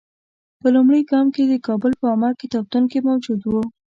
په لومړي ګام کې د کابل په عامه کتابتون کې موجود وو.